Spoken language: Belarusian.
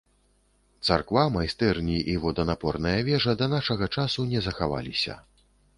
Царква, майстэрні і воданапорная вежа да нашага часу не захаваліся.